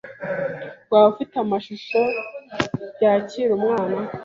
Waba ufite amashusho ya akiri umwana?